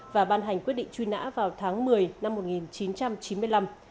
và ban hành quyết định truy nã vào tháng một mươi năm một nghìn chín trăm chín mươi năm